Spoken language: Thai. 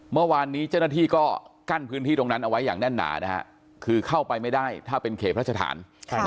เมื่อวานนี้เจ้าหน้าที่ก็กั้นพื้นที่ตรงนั้นเอาไว้อย่างแน่นหนานะฮะคือเข้าไปไม่ได้ถ้าเป็นเขตพระราชฐาน